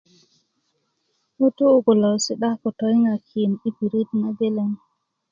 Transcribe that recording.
ŋutuu kulo si'da ko toyiŋakin i pirit nageleŋ